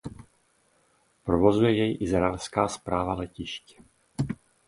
Provozuje jej Izraelská správa letišť.